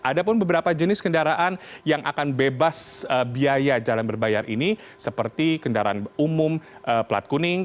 ada pun beberapa jenis kendaraan yang akan bebas biaya jalan berbayar ini seperti kendaraan umum plat kuning